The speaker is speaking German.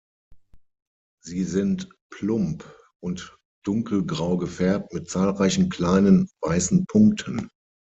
Sie sind plump und dunkelgrau gefärbt mit zahlreichen kleinen, weißen Punkten.